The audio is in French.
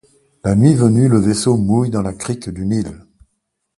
La nuit venue, le vaisseau mouille dans la crique d'une île.